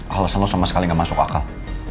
alasan lo sama sekali nggak masuk akal